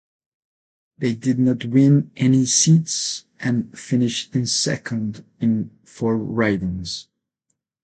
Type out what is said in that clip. They did not win any seats and finished in second in four ridings.